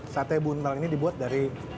sate buntal ini dibuat dari